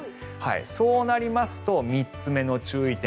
そうなりますと３つ目の注意点